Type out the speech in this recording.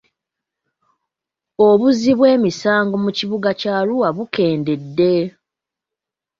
Obuzzi bw'emisango mu kibuga kya Arua bukendedde.